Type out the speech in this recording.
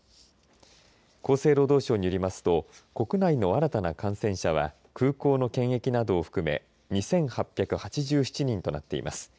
厚生労働省によりますと国内の新たな感染者は空港の検疫などを含め２８８７人となっています。